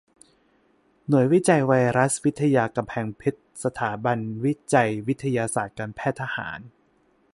หน่วยวิจัยไวรัสวิทยากำแพงเพชรสถาบันวิจัยวิทยาศาสตร์การแพทย์ทหาร